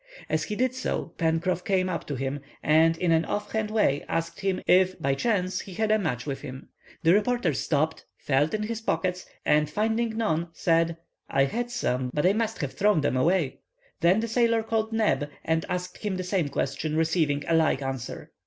As he did so, Pencroff came up to him, and in an off hand way asked him if, by chance, he had a match with him. The reporter stopped, felt in his pockets, and finding none, said:— "I had some, but I must have thrown them all away." Then the sailor called Neb and asked him the same question, receiving a like answer.